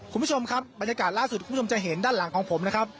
คุณผู้ชมครับบรรยากาศล่าสุดคุณผู้ชมจะเห็นด้านหลังของผมนะครับ